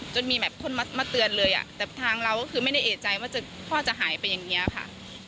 มีแบบคนมาเตือนเลยแต่ทางเราก็คือไม่ได้เอกใจว่าพ่อจะหายไปอย่างนี้ค่ะ